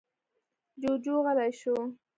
جُوجُو غلی شو.